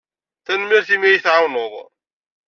Tanemmirt imi ay iyi-tɛawned.